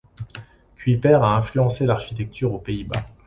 Cuypers a influencé l'architecture aux Pays-Bas.